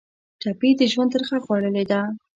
ټپي د ژوند ترخه خوړلې ده.